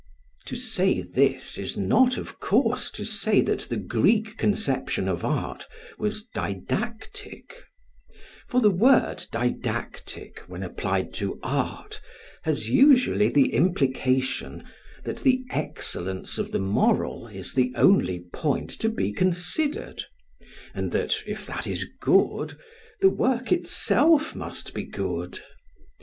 To say this, is not, of course, to say that the Greek conception of art was didactic; for the word didactic, when applied to art, has usually the implication that the excellence of the moral is the only point to be considered, and that if that is good the work itself must be good.